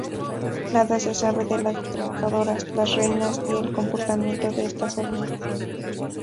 Nada se sabe de las trabajadoras, las reinas y el comportamiento de estas hormigas.